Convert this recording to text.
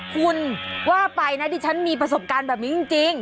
คุณว่าไปนะดิฉันมีประสบการณ์แบบนี้จริง